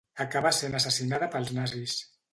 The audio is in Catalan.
Acaba sent assassinada pels nazis.